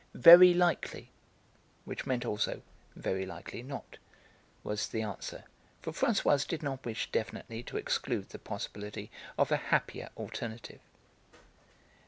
"Very likely" (which meant also "very likely not") was the answer, for Françoise did not wish definitely to exclude the possibility of a happier alternative.